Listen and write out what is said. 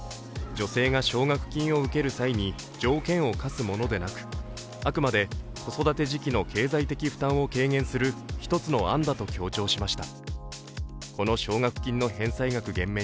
女性が奨学金を受ける際に条件を課すものではなくあくまで子育て時期の経済的負担を軽減する一つの案だと強調しました。